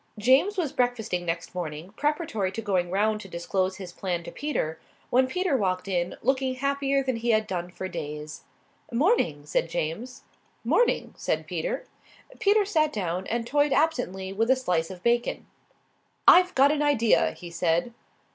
James was breakfasting next morning, preparatory to going round to disclose his plan to Peter, when Peter walked in, looking happier than he had done for days. "'Morning," said James. "'Morning," said Peter. Peter sat down and toyed absently with a slice of bacon. "I've got an idea," he said.